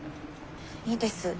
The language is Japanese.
いいです。